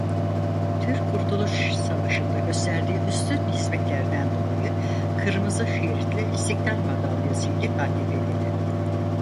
Türk Kurtuluş Savaşı'nda gösterdiği üstün hizmetlerden dolayı Kırmızı şeritli İstiklâl Madalyası ile taltif edildi.